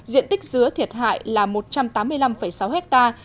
diện tích dứa thiệt hại là một trăm tám mươi năm sáu hectare